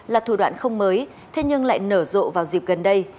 là thủ đoạn không mới thế nhưng lại nở rộ vào dịp gần đây